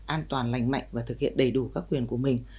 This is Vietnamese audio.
an toàn lành mạnh và thực hiện đầy đủ các quyền của mình